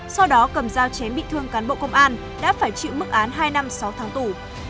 sau đó cầm dao chém bị thương cán bộ công an đã phải chịu mức án hai năm sáu tháng tù